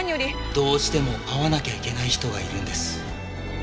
どうしても会わなきゃいけない人がいるんです。